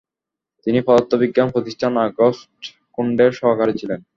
তিনি পদার্থবিজ্ঞান প্রতিষ্ঠানে আগস্ট কুন্ডের সহকারী ছিলেন।